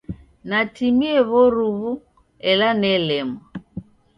Natimie w'oruw'u ela nelemwa.